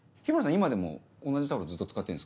今でも同じタオルずっと使ってるんですか？